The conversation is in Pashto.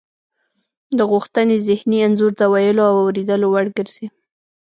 د غوښتنې ذهني انځور د ویلو او اوریدلو وړ ګرځي